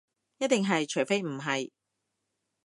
一定係，除非唔係